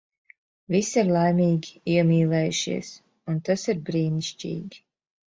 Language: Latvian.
Visi ir laimīgi, iemīlējušies. Un tas ir brīnišķīgi.